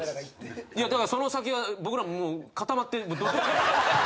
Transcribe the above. いやだからその先は僕らももう固まって。